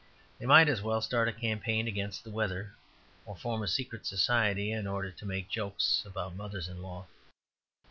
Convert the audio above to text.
They might as well start a campaign against the weather, or form a secret society in order to make jokes about mothers in law.